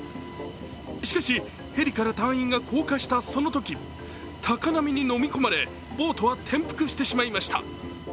しかし、ヘリから隊員が降下したそのとき、高波に飲み込まれボートは転覆してしまいました。